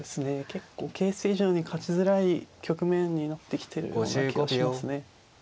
結構形勢以上に勝ちづらい局面になってきてるような気がしますね。